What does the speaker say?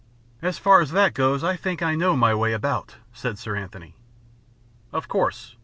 "As far as that goes, I think I know my way about," said Sir Anthony. "Of course.